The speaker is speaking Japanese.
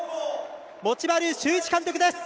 持丸修一監督です。